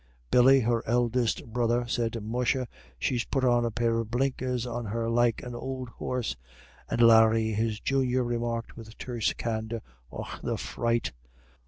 Billy, her eldest brother, said: "Musha, she's put a pair of blinkers on her like an ould horse;" and Larry, his junior, remarked with terse candour, "Och, the fright."